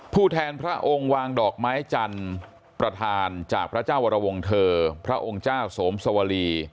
ผู้แทนพระองค์วางดอกไม้จันทร์ประธานจากพระเจ้าวรวงเถอร์พระองค์เจ้าสมสวรี